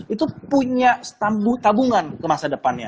itu punya tabungan ke masa depannya